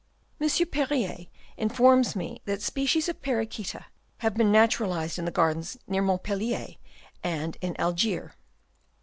M. Perrier informs me that species of Perichaita have been natural ised in the gardens near Montpellier and in Algiers.